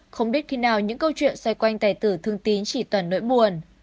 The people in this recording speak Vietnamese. không biết khi nào những câu chuyện xoay quanh tài tử thương tín chỉ toàn nỗi buồn